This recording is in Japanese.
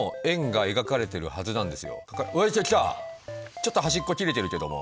ちょっと端っこ切れているけども。